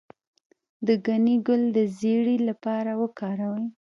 د ګنی ګل د زیړي لپاره وکاروئ